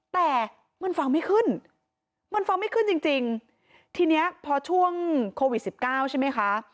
แต่มันฟังไม่ขึ้นมันฟังไม่ขึ้นจริงจริงทีเนี้ยพอช่วงโควิดสิบเก้าใช่ไหมคะ